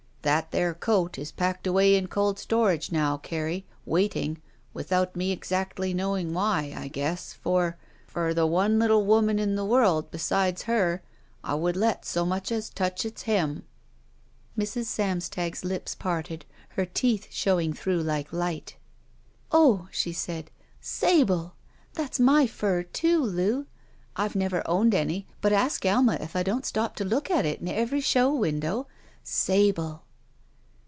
"That there coat is packed away in cold storage now, Carrie, waiting, without me exactly knowing why, I guess, for — ^the one little woman in the world besides her I would let so much as touch its hem." Mrs. Samstag's lips parted, her teeth showing through like light. *'0h," she said, sablel That's my fur, Loo. I've never owned any, but ask Alma if I don't stop to look at it in every show window. Sable